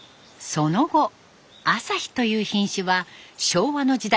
その後旭という品種は昭和の時代